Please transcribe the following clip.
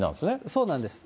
そうなんです。